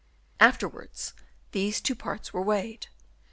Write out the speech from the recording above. Afterwards these two parts were weighed.